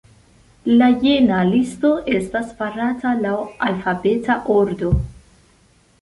La jena listo estas farata laŭ alfabeta ordo.